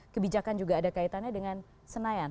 kebijakan juga ada kaitannya dengan senayan